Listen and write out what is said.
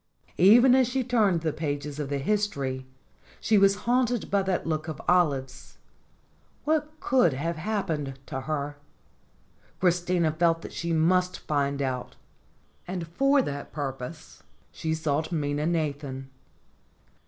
But, even as she turned the pages of the history, she was haunted by that look of Olive's. What could have happened to her ? Chris tina felt that she must find out, and for that purpose she sought Minna Nathan.